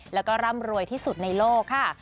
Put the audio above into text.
แล้วก็ร่ำรวยที่สุดในโลกค่ะ